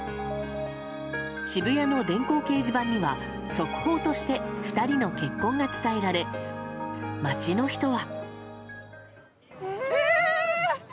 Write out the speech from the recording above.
渋谷の電光掲示板には速報として２人の結婚が伝えられ街の人は。